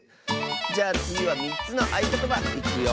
じゃあつぎは３つのあいことばいくよ！